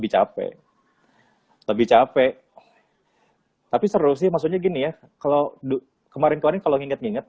dicapai lebih capek tapi seru sih maksudnya gini ya kalau kemarin kemarin kalau nginget inget